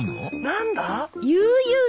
何だ？